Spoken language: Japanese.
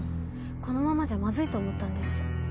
このままじゃまずいと思ったんです。